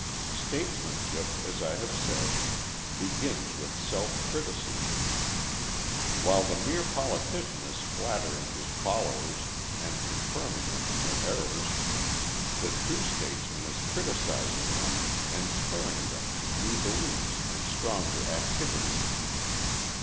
Statesmanship, as I have said, begins with self criticism. While the mere politician is flattering his followers and confirming them in their errors, the true statesman is criticising them and spurring them to new beliefs and stronger activities.